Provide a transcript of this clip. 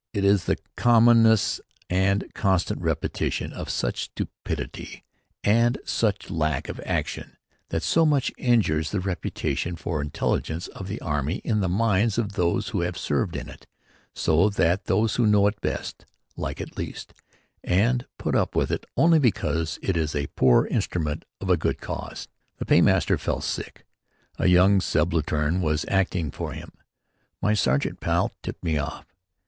It is the commonness, the constant repetition of such stupidity and such lack of action that so much injures the reputation for intelligence of the army in the minds of those who have served in it; so that those who know it best, like it least and put up with it only because it is the poor instrument of a good cause. The paymaster fell sick. A young subaltern was acting for him. My sergeant pal tipped me off.